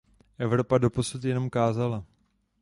Evropa doposud jenom kázala.